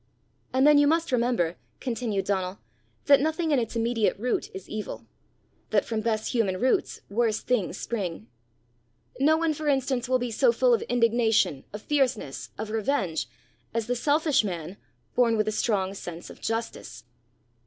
"And then you must remember," continued Donal, "that nothing in its immediate root is evil; that from best human roots worst things spring. No one, for instance, will be so full of indignation, of fierceness, of revenge, as the selfish man born with a strong sense of justice.